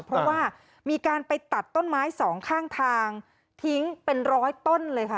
เพราะว่ามีการไปตัดต้นไม้สองข้างทางทิ้งเป็นร้อยต้นเลยค่ะ